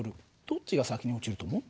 どっちが先に落ちると思う？